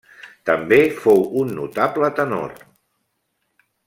També fou un notable tenor.